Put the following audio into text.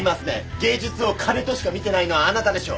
芸術を金としか見てないのはあなたでしょう。